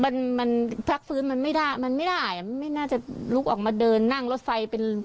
มันมันพักฟื้นมันไม่ได้มันไม่ได้อ่ะไม่น่าจะลุกออกมาเดินนั่งรถไฟเป็น